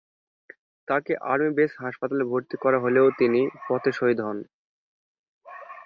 তাকে army base হাসপাতালে ভর্তি করা হলেও তিনি পথে শহীদ হন।